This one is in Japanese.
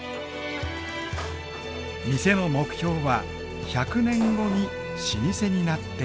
店の目標は１００年後に老舗になっていること。